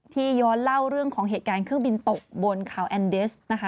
ย้อนเล่าเรื่องของเหตุการณ์เครื่องบินตกบนคาวแอนเดสนะคะ